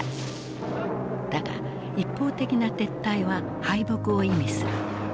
だが一方的な撤退は敗北を意味する。